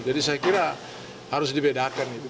jadi saya kira harus dibedakan